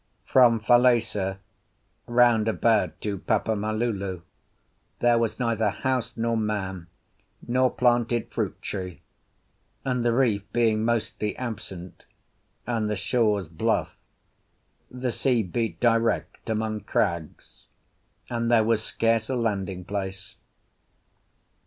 From Falesá round about to Papa malulu, there was neither house, nor man, nor planted fruit tree; and the reef being mostly absent, and the shores bluff, the sea beat direct among crags, and there was scarce a landing place.